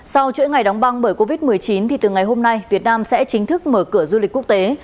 sau chuỗi ngày đóng băng bởi covid một mươi chín từ ngày hôm nay việt nam sẽ chính thức mở cửa du lịch quốc tế